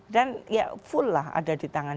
dan ya full lah ada di tangan